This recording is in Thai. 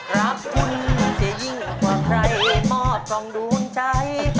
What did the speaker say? รับคุณเสียยิ่งกว่าใครมอบความดูนใจ